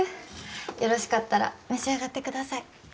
よろしかったら召し上がってください。